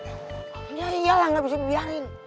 iya iyalah gak bisa dibiarin